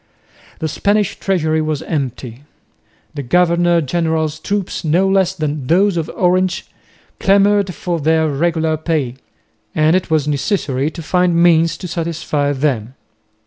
The Spanish treasury was empty. The governor general's troops no less than those of Orange clamoured for their regular pay, and it was necessary to find means to satisfy them.